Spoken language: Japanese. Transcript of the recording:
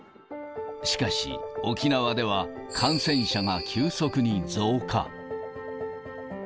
しかし、沖縄では感染者が急速に増加。